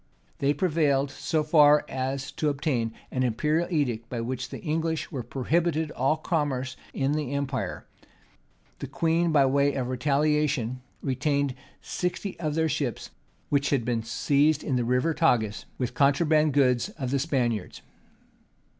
They prevailed so far as to obtain an imperial edict, by which the English were prohibited all commerce in the empire: the queen, by way of retaliation, retained sixty of their ships, which had been seized in the River Tagus with contraband goods of the Spaniards.